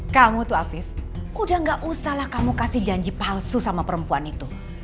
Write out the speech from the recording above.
kamu tuh afif udah gak usah lah kamu kasih janji palsu sama perempuan itu